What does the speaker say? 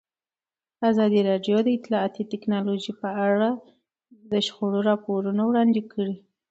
ازادي راډیو د اطلاعاتی تکنالوژي په اړه د شخړو راپورونه وړاندې کړي.